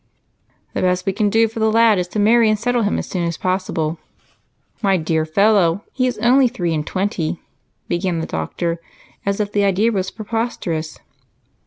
"The best we can do for the lad is to marry and settle him as soon as possible." "My dear fellow, he is only three and twenty," began the doctor, as if the idea was preposterous.